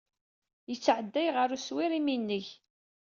Yettɛedday ɣer uswir imineg.